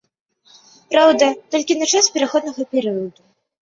Праўда, толькі на час пераходнага перыяду.